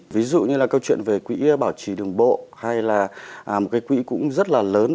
ví dụ như là câu chuyện về quỹ bảo trì đường bộ hay là một cái quỹ cũng rất là lớn